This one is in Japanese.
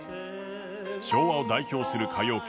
昭和を代表する歌謡曲